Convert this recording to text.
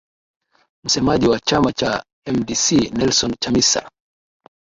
msemaji wa chama cha mdc nelson chamisa